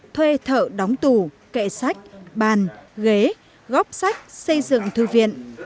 thuê thợ đóng tủ kệ sách bàn ghế góp sách xây dựng thư viện